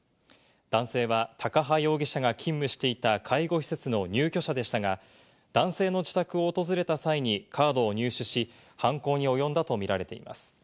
男性は高羽容疑者が勤務していた介護施設の入居者でしたが、男性の自宅を訪れた際にカードを入手し、犯行に及んだと見られています。